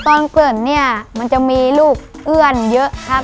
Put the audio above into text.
ก่อนเกิดเนี่ยมันจะมีลูกเอื้อนเยอะครับ